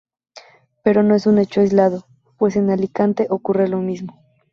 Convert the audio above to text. Pero no es un hecho aislado, pues en Alicante ocurre lo mismo.